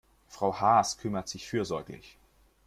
Frau Haas kümmert sich fürsorglich.